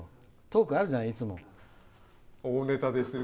トークがあるじゃん、いつも。